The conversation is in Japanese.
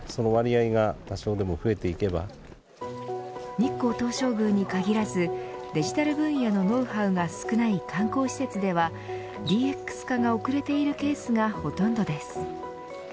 日光東照宮に限らずデジタル分野のノウハウが少ない観光施設ではＤＸ化が遅れているケースがほとんどです。